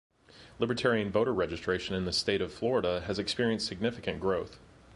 Libertarian voter registration in the state of Florida has experienced significant growth.